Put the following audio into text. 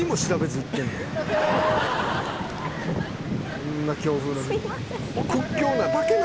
「こんな強風の中」